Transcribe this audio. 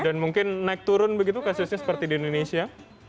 dan mungkin naik turun begitu kasusnya seperti di indonesia